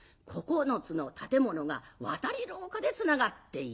９つの建物が渡り廊下でつながっている。